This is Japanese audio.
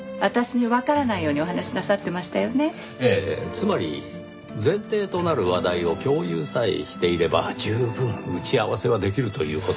つまり前提となる話題を共有さえしていれば十分打ち合わせはできるという事ですよ。